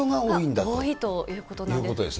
多いということなんですね。